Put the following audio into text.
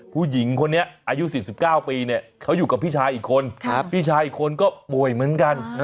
ผู้หญิงคนนี้อายุ๔๙ปีเนี่ยเขาอยู่กับพี่ชายอีกคนพี่ชายอีกคนก็ป่วยเหมือนกัน